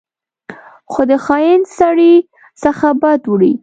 خو د خاین سړي څخه بد وړي.